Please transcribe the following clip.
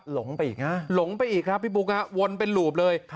ลงไปอีกฮะหลงไปอีกครับพี่บุ๊ควนเป็นหลูบเลย